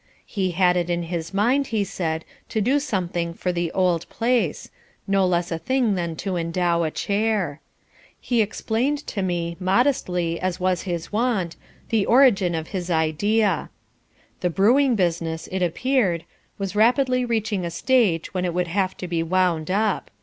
He had it in his mind, he said, to do something for the "old place," no less a thing than to endow a chair. He explained to me, modestly as was his wont, the origin of his idea. The brewing business, it appeared, was rapidly reaching a stage when it would have to be wound up.